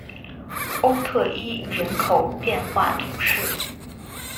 欧特伊人口变化图示